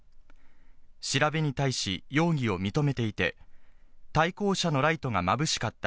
調べに対し、容疑を認めていて、対向車のライトがまぶしかった。